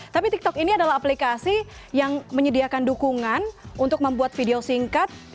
tapi tiktok ini adalah aplikasi yang menyediakan dukungan untuk membuat video singkat